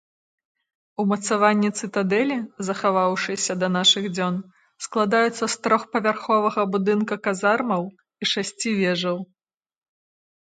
Умацаванні цытадэлі, захаваўшыяся да нашых дзён, складаюцца з трохпавярховага будынка казармаў і шасці вежаў.